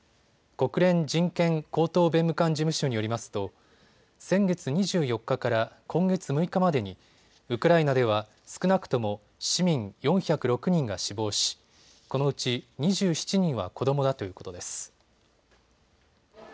国連人権高等弁務官事務所によりますと先月２４日から今月６日までにウクライナでは少なくとも市民４０６人が死亡し、このうち２７人は子どもだということです。